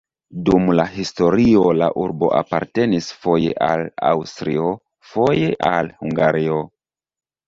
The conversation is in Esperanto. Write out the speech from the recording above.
Dum la historio la urbo apartenis foje al Aŭstrio, foje al Hungario.